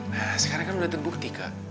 nah sekarang kan sudah terbukti kak